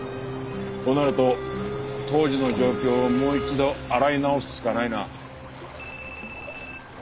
となると当時の状況をもう一度洗い直すしかないな。